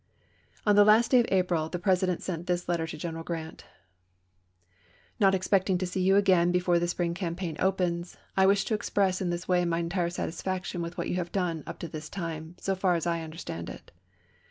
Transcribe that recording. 1864. On the last day of April the President sent this letter to Greneral Grant :" Not expecting to see you again before the spring campaign opens, I wish to express in this way my entire satisfaction with what you have done up to this time, so far as I understand it.